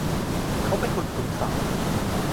เขาเป็นคนสูงศักดิ์